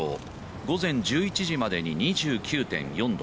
午前１１時までに２９．４℃